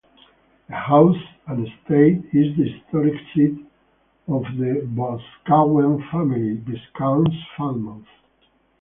The house and estate is the historic seat of the Boscawen family, Viscounts Falmouth.